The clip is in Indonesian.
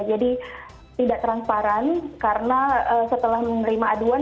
jadi tidak transparan karena setelah menerima aduan